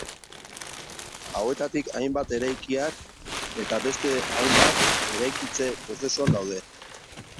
Hauetatik hainbat eraikiak, eta beste hainbat eraikitze prozesuan daude.